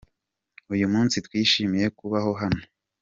Uyu munsi twishimiye kuba hano.